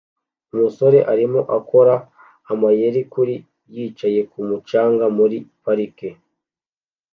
Umusore arimo akora amayeri kuri yicaye kumu canga muri parike